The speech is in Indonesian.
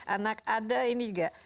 anak ada ini gak